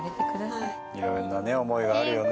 色んなね思いがあるよね。